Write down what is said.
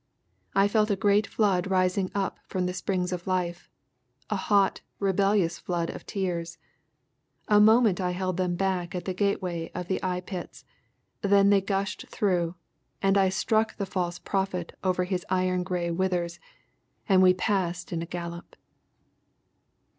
I felt a great flood rising up from the springs of life, a hot, rebellious flood of tears. A moment I held them back at the gateway of the eyepits, then they gushed through, and I struck the False Prophet over his iron grey withers, and we passed in a gallop.